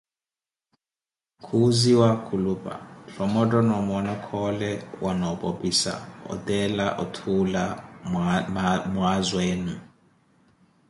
Kooziwa-Khulupa Tthomotto nomoona Khoole- wanopopisa otela othuula mwaazu enu.